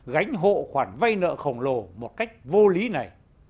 gánh hộ khoản vay nợ khổng lồ một cách vô lý này